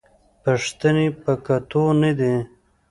پښتنې په کتو نه دي